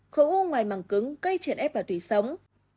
khổ u ngoài màng cứng gây trên ép và tùy sống